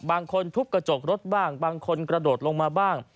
บางคนทุบกระจกรถบ้างบางคนกระโดดลงมาบ้าง